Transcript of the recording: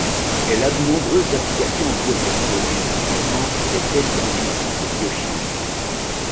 Elle a de nombreuses applications en biotechnologies, typiquement les tests enzymatiques de biochimie.